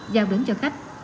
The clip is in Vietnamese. giao đến cho khách